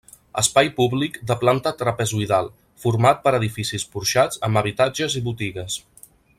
Espai públic de planta trapezoidal, format per edificis porxats amb habitatges i botigues.